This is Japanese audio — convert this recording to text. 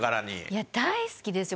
いや大好きですよ。